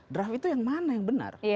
draft itu yang mana yang benar